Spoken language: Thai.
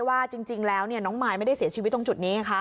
ว่าจริงแล้วน้องมายไม่ได้เสียชีวิตตรงจุดนี้